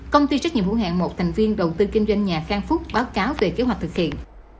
công ty trách nhiệm hữu hạng một thành viên đầu tư kinh doanh nhà khang phúc báo cáo về kế hoạch thực hiện